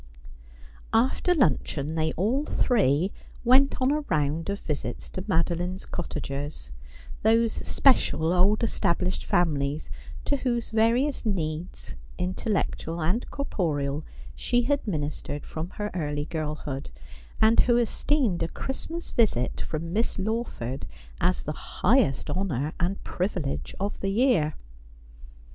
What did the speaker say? After luncheon they all three went on a round of visits to Madeline's cottagers — those special, old established families to whose various needs, intellectual and corporeal, she had ministered from her earty girlhood, and who esteemed a Christ mas visit from Miss Lawford as the highest honour and privilege of the year.